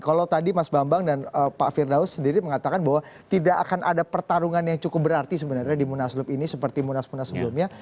kalau tadi mas bambang dan pak firdaus sendiri mengatakan bahwa tidak akan ada pertarungan yang cukup berarti sebenarnya di munaslup ini seperti munas munas sebelumnya